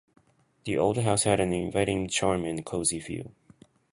The old house had an inviting charm and a cozy feel.